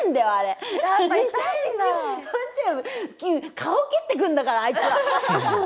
顔蹴ってくんだからあいつら。